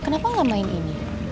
kenapa gak main ini